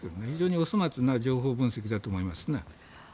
非常にお粗末な情報分析だと思いますね。